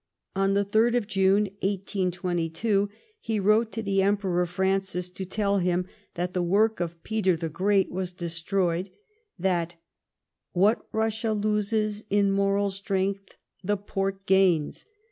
On the 3rd June, 1822, he wrote to the Emperor Francis to tell him that the work of Peter the Great was destroyed ; that " what Eussia loses in moral strength the Porto gains.